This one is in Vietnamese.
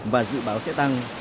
và dự báo sẽ tăng